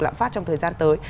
lạm phát trong thời gian tới